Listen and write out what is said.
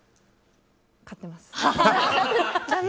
買ってます。